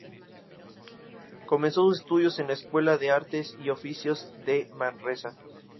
Comenzó sus estudios en la Escuela de Artes y Oficios de Manresa.